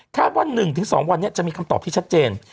ถ้าวันหนึ่งถึงสองวันจะมีคำตอบที่ชัดเจน